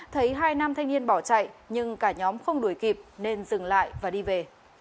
thấy hai nam thanh niên bỏ chạy nhưng cả nhóm không đuổi kịp nên dừng lại và đi về